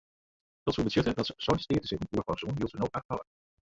Dat soe betsjutte dat se seis steatesitten oerhâlde soenen wylst se no acht hawwe.